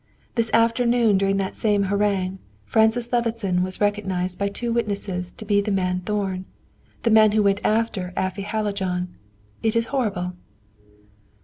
This afternoon during that same harangue, Francis Levison was recognized by two witnesses to be the man Thorn the man who went after Afy Hallijohn. It is horrible."